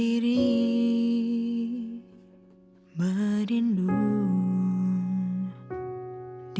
aku mau ke sekolah